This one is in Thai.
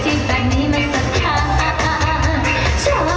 ใช่นะไม่คิดมา